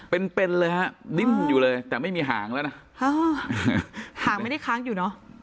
เป็นเป็นเลยฮะดิ้นอยู่เลยแต่ไม่มีหางแล้วนะหางไม่ได้ค้างอยู่เนอะ